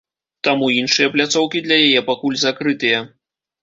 Таму іншыя пляцоўкі для яе пакуль закрытыя.